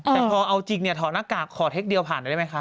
แต่พอเอาจริงเนี่ยถอดหน้ากากขอเทคเดียวผ่านหน่อยได้ไหมคะ